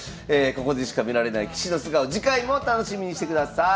ここでしか見られない棋士の素顔次回も楽しみにしてください。